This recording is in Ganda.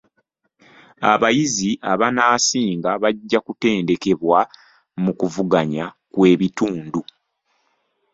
Abayizi abanaasinga bajja kutendekebwa mu kuvuganya kw'ebitundu.